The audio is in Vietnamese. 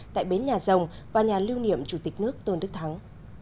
tại bến nhà rồng và nhà lưu niệm chủ tịch nước tôn đức thắng